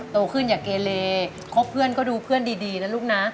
โตขึ้นอย่าเกเลคบเพื่อนก็ดูเพื่อนดีนะลูกนะ